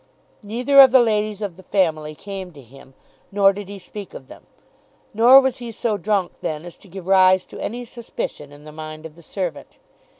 Neither of the ladies of the family came to him, nor did he speak of them. Nor was he so drunk then as to give rise to any suspicion in the mind of the servant.